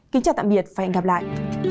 kính chào tạm biệt và hẹn gặp lại